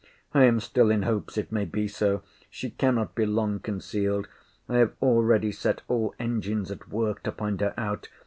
I am still in hopes it may be so—she cannot be long concealed—I have already set all engines at work to find her out!